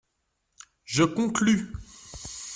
Je conclus.